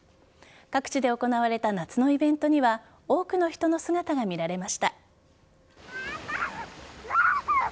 各地で行われた夏のイベントには多くの人の姿が見られました。